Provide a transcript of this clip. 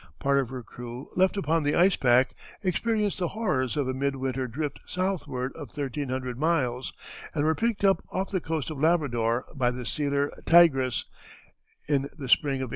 Part of her crew, left upon the ice pack, experienced the horrors of a mid winter drift southward of thirteen hundred miles, and were picked up off the coast of Labrador by the sealer Tigress, in the spring of 1872.